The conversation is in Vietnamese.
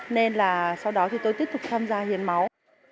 nên là sau đó thì tôi tiếp tục tham gia hiến máu